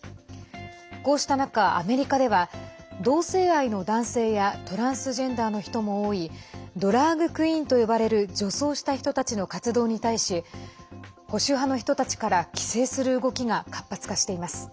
こうした中、アメリカでは同性愛の男性やトランスジェンダーの人も多いドラァグクイーンと呼ばれる女装した人たちの活動に対し保守派の人たちから規制する動きが活発化しています。